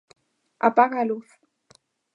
–Apaga a luz.